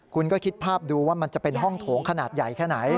คุณก็คิดภาพดูว่ามันจะเป็นห้องโถงขนาดใหญ่แค่ไหน